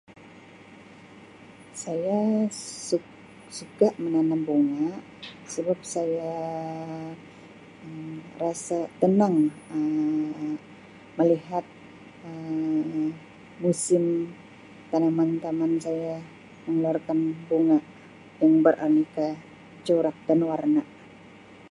Saya suk-suka menanam bunga sebab saya Um rasa tenang Um melihat Um musim tanaman tanaman saya mengeluarkan bunga [unintelligible] corak dan warna.